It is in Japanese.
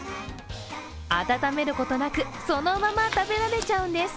温めることなくそのまま食べられちゃうんです。